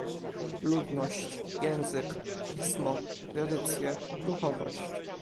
ludność, język, pismo, tradycje, duchowość